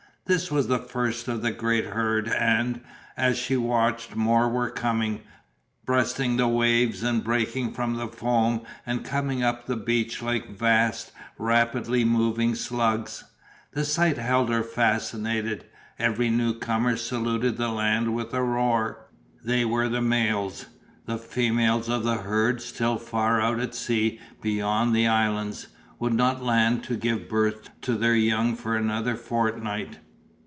This was the first of the great herd and, as she watched, more were coming, breasting the waves and breaking from the foam and coming up the beach like vast, rapidly moving slugs. The sight held her fascinated. Every newcomer saluted the land with a roar. They were the males; the females of the herd, still far out at sea beyond the islands, would not land to give birth to their young for another fortnight.